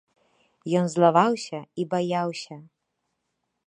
Ён злаваўся і баяўся.